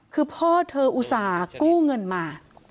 คือพ่อเธออุตส่าห์กู้เงินมา